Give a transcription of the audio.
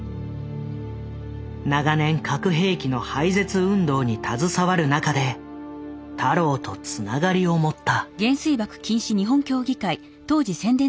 長年核兵器の廃絶運動に携わる中で太郎とつながりを持った。